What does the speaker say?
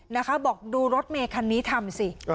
นะคะบอกดูรถเมคันนี้ทำสิ